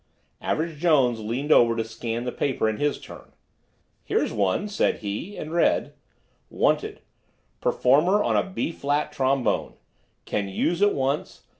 Average Jones leaned over to scan the paper in his turn. "Here's one," said he, and read: WANTED—Performer on B flat trombone. Can use at once.